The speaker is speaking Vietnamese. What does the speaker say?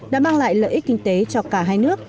đã mang lại lợi ích kinh tế cho cả hai nước